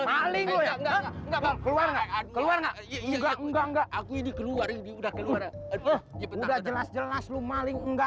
maling keluar enggak enggak enggak aku ini keluar udah keluar udah jelas jelas lu maling enggak